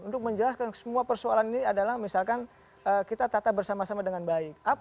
untuk menjelaskan semua persoalan ini adalah misalkan kita tata bersama sama dengan baik